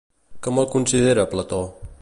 Com el considera Plató?